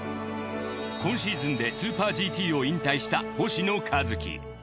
今シーズンでスーパーＧＴを引退した星野一樹。